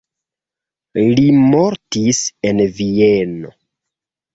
Li mortis en Vieno.